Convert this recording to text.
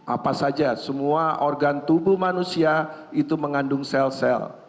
apa saja semua organ tubuh manusia itu mengandung sel sel